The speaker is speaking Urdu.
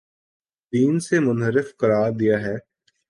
دین سے منحرف قرار دیا ہے